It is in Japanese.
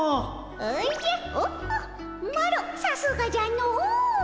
おじゃホッホマロさすがじゃの。